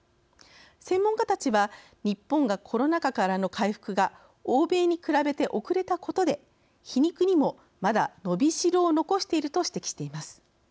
専門家たちは日本がコロナ禍からの回復が欧米に比べて遅れたことで皮肉にもまだ伸びしろを残していると指摘しています。